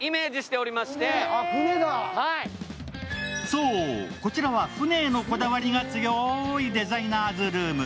そう、こちらは船へのこだわりが強いデザイナーズルーム。